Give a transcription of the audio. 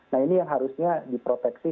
nah ini yang harusnya diproteksi